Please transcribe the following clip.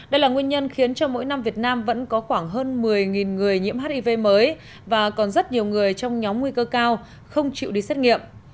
đây là nguyên nhân khiến cho mỗi năm việt nam vẫn có khoảng hơn một mươi người nhiễm hiv mới và còn rất nhiều người trong nhóm nguy cơ cao không chịu đi xét nghiệm